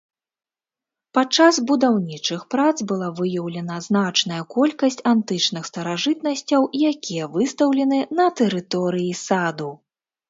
Падчас будаўнічых прац была выяўлена значная колькасць антычных старажытнасцяў, якія выстаўлены на тэрыторыі саду.